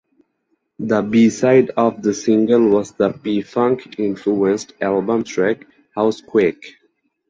The B-side of the single was the P-funk-influenced album track, "Housequake".